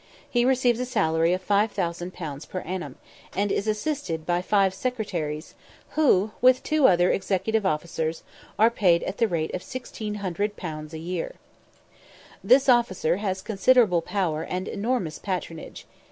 He receives a salary of 5000_l._ per annum, and is assisted by five secretaries, who, with two other executive officers, are paid at the rate of 1600_l._ a year. This officer has considerable power and enormous patronage.